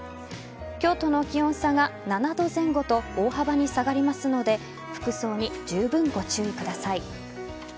今日との気温差が７度前後と大幅に下がりますので服装にじゅうぶんご注意ください。